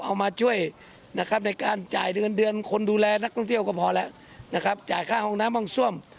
เอามาช่วยนะครับในการจ่ายเดือนเดือนคนดูแลนักท่องเที่ยวก็พอแล้วนะครับจ่ายค่าห้องน้ำห้องซ่วม